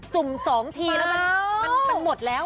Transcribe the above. สุ่ม๒ทีแล้วมันหมดแล้ว